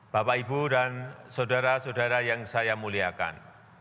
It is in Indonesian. bapak ibu dan saudara saudara yang saya muliakan